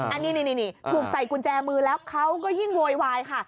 อันนี้ถูกใส่กุญแจมือแล้วเขาก็ยิ่งโวยวายค่ะ